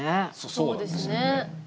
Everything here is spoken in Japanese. そうですね。